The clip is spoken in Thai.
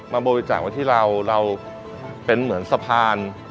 บริจาคไว้ที่เราเราเป็นเหมือนสะพาน